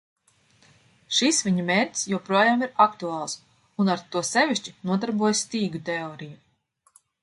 Šis viņa mērķis joprojām ir aktuāls, un ar to sevišķi nodarbojas stīgu teorija.